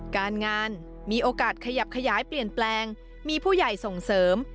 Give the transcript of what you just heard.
การงานมีโอกาสขยับขยายเปลี่ยนแปลงมีผู้ใหญ่ส่งเสริม